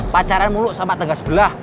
pacaran mulu sama adegah sebelah